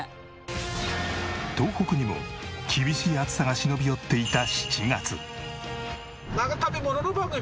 東北にも厳しい暑さが忍び寄っていた７月。